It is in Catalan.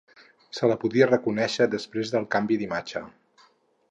Se la podia reconèixer després del canvi d'imatge.